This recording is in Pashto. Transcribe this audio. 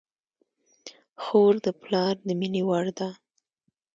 خور د پلار د مینې وړ ده.